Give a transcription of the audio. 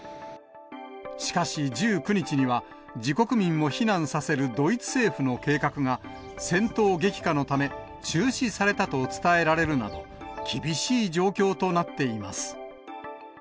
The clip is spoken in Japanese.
しかし、１９日には自国民を避難させるドイツ政府の計画が、戦闘激化のため、中止されたと伝えられるなど、厳しい状況となっています。